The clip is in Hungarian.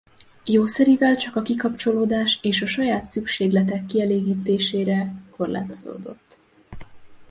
Jószerivel csak a kikapcsolódás és a saját szükségletek kielégítésére korlátozódott.